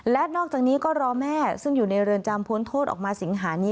และนอกจากนี้ก็รอแม่ซึ่งอยู่ในเรือนจำพ้นโทษออกมาสิงหานี้